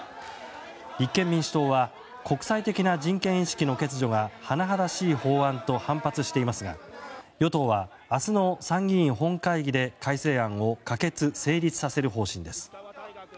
立憲民主党は国際的な人権意識の欠如が甚だしい法案と反発していますが与党は、明日の参議院本会議で改正案を可決・成立させる方針です。